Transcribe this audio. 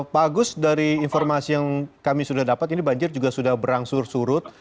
pak agus dari informasi yang kami sudah dapat ini banjir juga sudah berangsur surut